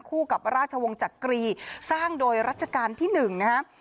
คู่กับราชวงศ์จักรีสร้างโดยรัชกาลที่๑นะครับ